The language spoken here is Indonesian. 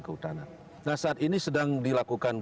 kehutanan nah saat ini sedang dilakukan